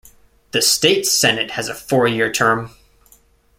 The State Senate has a four-year term.